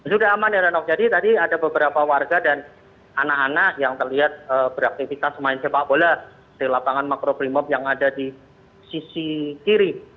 sudah aman ya rano jadi tadi ada beberapa warga dan anak anak yang terlihat beraktivitas main sepak bola di lapangan makrobrimob yang ada di sisi kiri